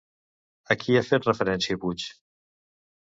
A qui ha fet referència Puig?